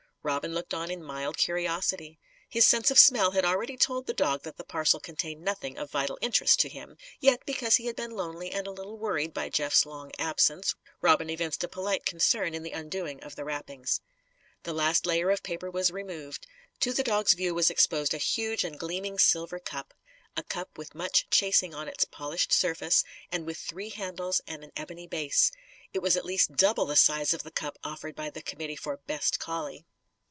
Robin looked on in mild curiosity. His sense of smell had already told the dog that the parcel contained nothing of vital interest to him. Yet, because he had been lonely and a little worried by Jeff's long absence, Robin evinced a polite concern in the undoing of the wrappings. The last layer of paper was removed. To the dog's view was exposed a huge and gleaming silver cup, a cup with much chasing on its polished surface and with three handles and an ebony base. It was at least double the size of the cup offered by the committee for "best collie."